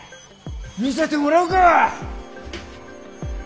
見せてもらおうか。